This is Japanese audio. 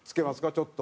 ちょっと。